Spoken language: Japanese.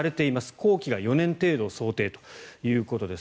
工期が４年程度を想定ということです。